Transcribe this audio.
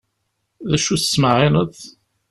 D acu i d-tettmeεεineḍ?